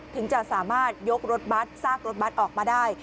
ถึงจะสามารถยกรถบัตรซากรถบัตรออกมาได้